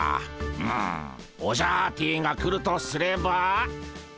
うむオジャアーティが来るとすれば。